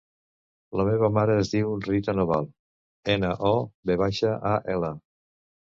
La meva mare es diu Rita Noval: ena, o, ve baixa, a, ela.